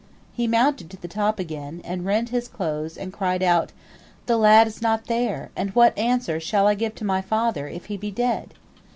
He mounted to the top again, and rent his clothes, and cried out, "The lad is not there, and what answer shall I give to my father, if he be dead?"